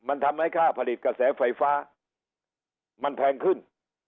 มันทำให้ค่าผลิตกระแสไฟฟ้ามันแพงขึ้น